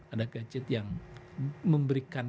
ada gadget yang memberikan